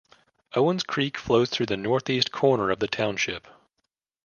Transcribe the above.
Owens Creek flows through the northeast corner of the township.